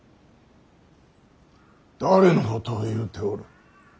誰のことを言うておる。